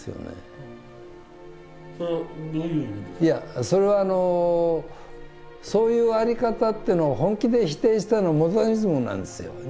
いやそれはあのそういう在り方っていうのを本気で否定したのモダニズムなんですよ。